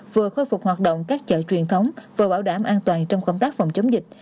vừa khôi phục hoạt động các chợ truyền thống vừa bảo đảm an toàn trong công tác phòng chống dịch